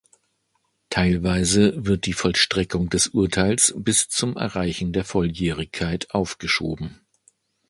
Teilweise wird die Vollstreckung des Urteils bis zum Erreichen der Volljährigkeit aufgeschoben.